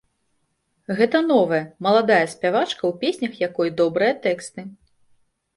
Гэта новая, маладая спявачка, у песнях якой добрыя тэксты.